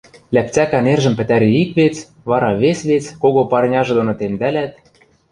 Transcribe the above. ляпцӓкӓ нержӹм пӹтӓри ик вец, вара вес вец кого парняжы доно темдӓлят